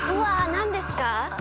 何ですか？